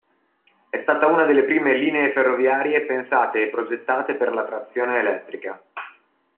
È stata una delle prime linee ferroviarie pensate e progettate per la trazione elettrica.